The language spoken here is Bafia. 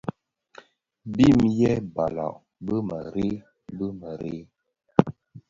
Bim yêê balàg bì mềrei bi mēreè.